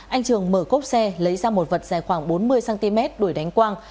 anh trường mở cốp xe lấy ra một vật dài khoảng bốn mươi cm đuổi đánh quang